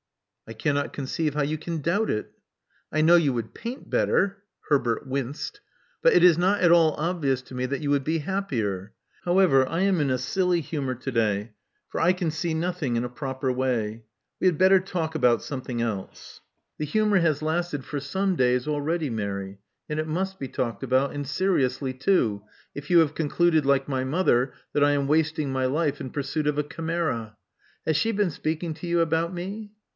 "I cannot conceive how you can doubt it." •*I know you would paint better (Herbert winced), "bat it is not at all obvious to me that you would be iKJpocr. However, I am in a silly humor to day ; for 1 vsa. see nothing in a proper way. We had better laik ^if^nsi something else. *' Love Among the Artists 113 The humor has lasted for some days, already, Mary. And it must be talked about, and seriously too, if you have concluded, like my mother, that I am wasting my life in pursuit of a chimera. Has she been speaking to you about me?